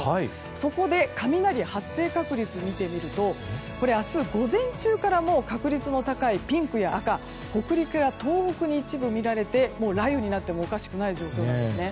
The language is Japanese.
そこで、雷発生確率を見てみると明日、午前中から確率の高いピンクや赤北陸や東北に一部見られて雷雨になってもおかしくない状況なんですね。